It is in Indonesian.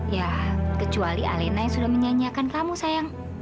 ya kecuali alena yang sudah menyanyiakan kamu sayang